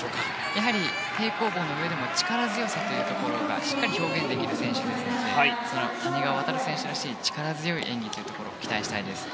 やはり平行棒の上での力強さというところがしっかり表現できる選手ですので谷川航選手らしい力強い演技に期待したいです。